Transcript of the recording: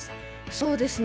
そうなんですね。